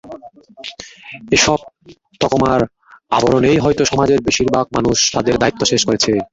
এসব তকমার আবরণেই হয়তো সমাজের বেশির ভাগ মানুষ তাদের দায়িত্ব শেষ করেছে।